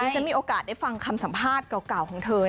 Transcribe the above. ฉันมีโอกาสได้ฟังคำสัมภาษณ์เก่าของเธอ